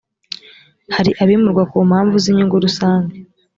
hari abimurwa ku mpamvu z’inyungu rusange